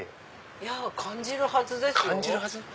いや感じるはずですよ。